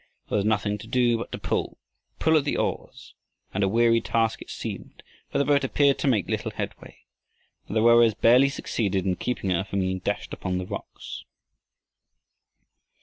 There was nothing to do but to pull, pull at the oars, and a weary task it seemed, for the boat appeared to make little headway, and the rowers barely succeeded in keeping her from being dashed upon the rocks.